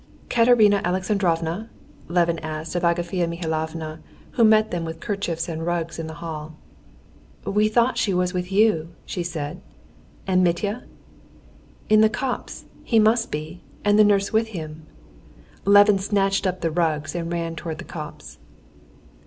"Katerina Alexandrovna?" Levin asked of Agafea Mihalovna, who met them with kerchiefs and rugs in the hall. "We thought she was with you," she said. "And Mitya?" "In the copse, he must be, and the nurse with him." Levin snatched up the rugs and ran towards the copse.